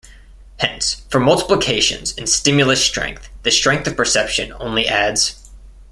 Hence, for multiplications in stimulus strength, the strength of perception only adds.